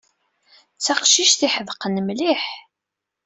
D taqcict ay iḥedqen mliḥ.